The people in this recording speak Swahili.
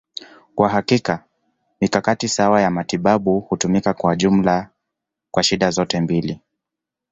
Kwa hakika, mikakati sawa ya matibabu hutumika kwa jumla kwa shida zote mbili.